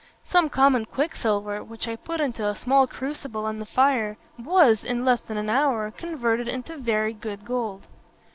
Some common quicksilver, which I put into a small crucible on the fire, was, in less than an hour, converted into very good gold.